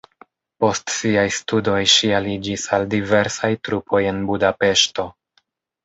Post siaj studoj ŝi aliĝis al diversaj trupoj en Budapeŝto.